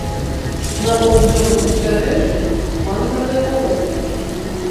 На паўднёвым узбярэжжы мангравыя балоты.